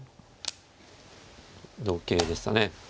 同桂でしたね。